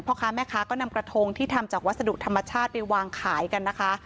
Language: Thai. พ่อค้าแม่ค้าก็นำกระทงที่ทำจากวัสดุธรรมชาติไปวางขายกันนะคะ